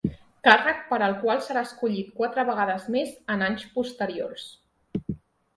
Càrrec per al qual serà escollit quatre vegades més en anys posteriors.